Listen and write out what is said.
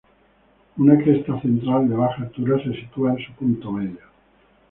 Una cresta central de baja altura se sitúa en su punto medio.